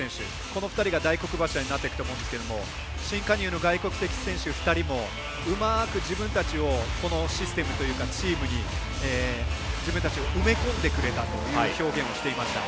この２人が大黒柱になっていくと思うんですけど新加入の外国籍選手２人もうまく自分たちをこのシステムというかチームに自分たちを埋め込んでくれたという表現をしていました。